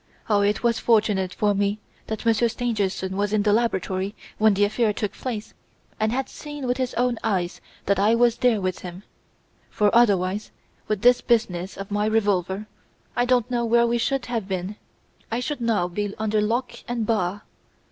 Ah! it was fortunate for me that Monsieur Stangerson was in the laboratory when the affair took place and had seen with his own eyes that I was there with him; for otherwise, with this business of my revolver, I don't know where we should have been, I should now be under lock and bar.